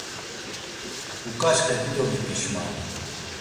Uǩaçxe dido vipişmani…